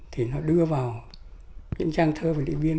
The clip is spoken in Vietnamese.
thì nó đưa vào điện trang thơ về điện biên